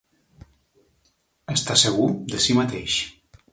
Està segur de si mateix.